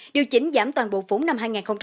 điều chỉnh giảm toàn bộ vốn năm hai nghìn một mươi tám